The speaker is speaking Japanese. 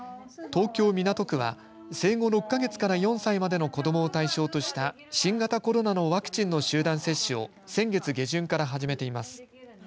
東京、港区は生後６か月から４歳までの子どもを対象とした新型コロナのワクチンの集団接種を先月下旬から始めています。